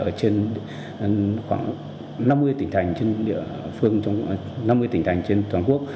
ở trên khoảng năm mươi tỉnh thành trên toàn quốc